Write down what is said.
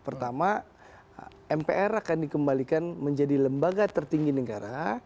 pertama mpr akan dikembalikan menjadi lembaga tertinggi negara